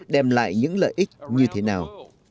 đem lại những lợi ích như thế nào